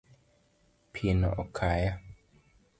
Pino okaya.